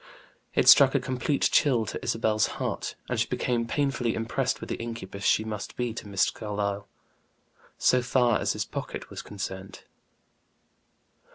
It struck a complete chill to Isabel's heart, and she became painfully impressed with the incubus she must be to Mr. Carlyle so far as his pocket was concerned.